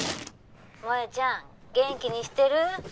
萌ちゃん元気にしてる？